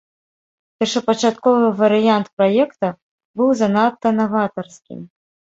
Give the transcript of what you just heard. Першапачатковы варыянт праекта быў занадта наватарскім.